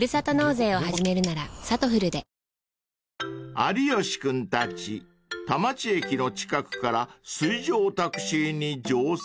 ［有吉君たち田町駅の近くから水上タクシーに乗船］